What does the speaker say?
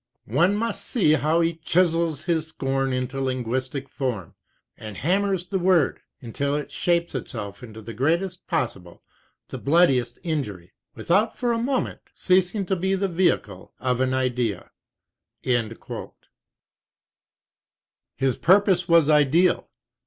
One must see how he chisels his scorn into linguistic form, and hammers the word until it shapes 40 itself into the greatest possible, the bloodiest injury — without for a moment ceasing to be the vehicle of an idea." His purpose was ideal.